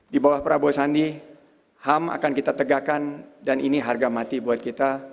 di bawah prabowo sandi ham akan kita tegakkan dan ini harga mati buat kita